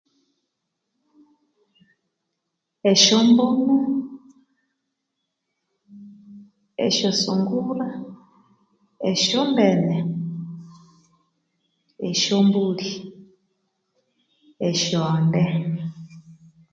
Esyombunu esyosungura esyombene esyombuli esyonde